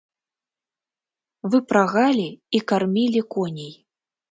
Выпрагалі і кармілі коней.